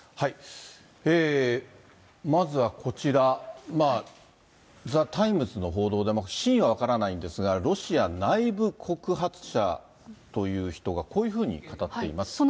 まずはこちら、ザ・タイムズの報道で、真意は分からないんですが、ロシア内部告発者という人がこういうふうに語っています。